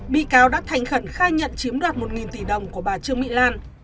bị cáo đã thành khẩn khai nhận chiếm đoạt một tỷ đồng của bà trương mỹ lan